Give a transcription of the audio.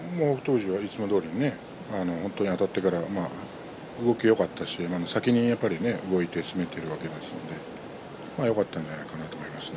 富士はいつもどおりあたってから動きがよかったですし先に動いて攻めているわけですのでよかったんじゃないかなと思います。